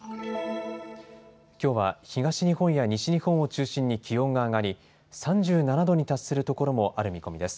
きょうは東日本や西日本を中心に気温が上がり３７度に達するところもある見込みです。